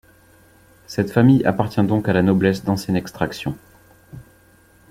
Cette famille appartient donc à la noblesse d'ancienne extraction.